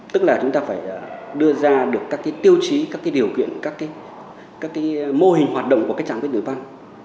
tức là chúng ta phải đưa ra được các tiêu chí các điều kiện các mô hình hoạt động của trạng khí tử văn